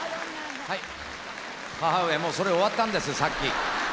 義母上もうそれ終わったんですさっき。